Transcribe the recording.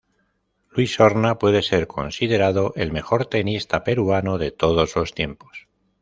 Luis Horna puede ser considerado el mejor tenista peruano de todos los tiempos.